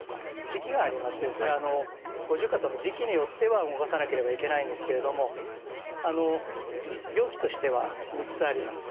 時期がありましてですね五十肩の時期によっては動かさなければいけないんですけれども病期としては３つあります。